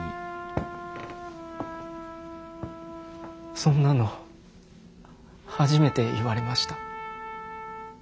そんなの初めて言われました。